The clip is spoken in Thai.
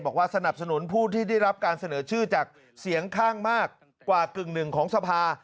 สนับสนุนผู้ที่ได้รับการเสนอชื่อจากเสียงข้างมากกว่ากึ่งหนึ่งของสภา